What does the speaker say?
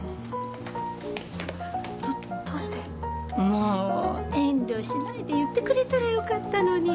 もう遠慮しないで言ってくれたらよかったのに。